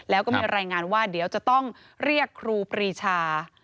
แล้วก็มีรายงานว่าเดี๋ยวจะต้องเรียกครูปรีชา